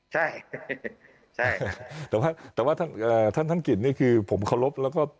ใช่ใช่แต่ว่าแต่ว่าท่านทั้งกิจนี่คือผมเคารพแล้วก็